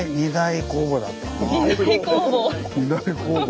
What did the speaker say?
二大公募！